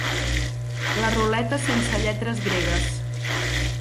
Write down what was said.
La ruleta sense lletres gregues.